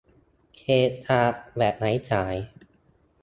เคสชาร์จแบบไร้สาย